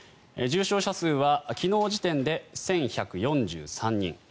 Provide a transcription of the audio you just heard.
重症者数は昨日時点で１１４３人。